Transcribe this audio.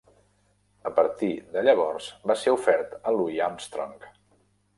A partir de llavors, va ser ofert a Louis Armstrong.